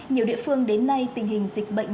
nhiều địa phương đến nay tình hình dịch bệnh